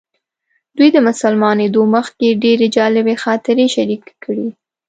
دوی د مسلمانېدو مخکې ډېرې جالبې خاطرې شریکې کړې.